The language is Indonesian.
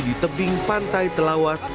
di tebing pantai telawas